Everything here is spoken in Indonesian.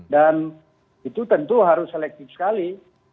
dan itu tentu harus selektif sekali